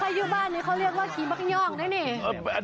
ถ้าอยู่บ้านนี้เค้าเรียกว่าขี่มักย่องนะนี่